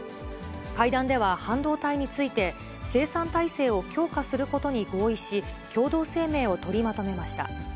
会談では半導体について、生産体制を強化することに合意し、共同声明を取りまとめました。